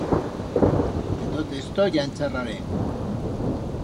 De tot esto, ya en charrarem.